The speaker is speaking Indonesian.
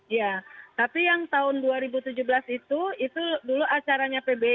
iya tapi yang tahun dua ribu tujuh belas itu itu dulu acaranya pbb